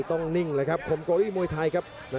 โหโหโหโหโหโหโหโหโหโหโหโห